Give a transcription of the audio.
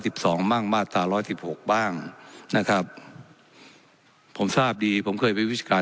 สองบ้างมาตราร้อยสิบหกบ้างนะครับผมทราบดีผมเคยไปวิชาการ